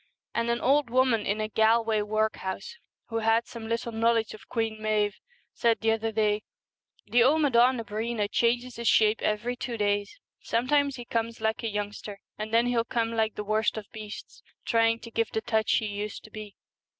And an old woman 190 in a Galway workhouse, who had some The Queen and little knowledge of Queen Maive, said the Fool. the other day, ' The Amadan na Breena changes his shape every two days. Some times he comes like a youngster, and then he'll come like the worst of beasts, trying to give the touch he used to be.